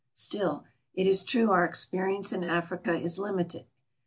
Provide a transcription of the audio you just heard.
Still, it is true our experience in Africa is limited.